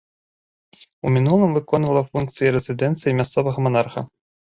У мінулым выконвала функцыі рэзідэнцыі мясцовага манарха.